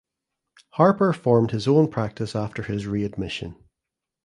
Harper formed his own practice after his readmission.